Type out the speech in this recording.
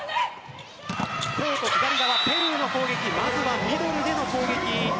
コート左側、ペルーの攻撃まずはミドルでの攻撃。